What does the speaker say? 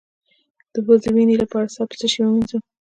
د پوزې وینې لپاره سر په څه شي ووینځم؟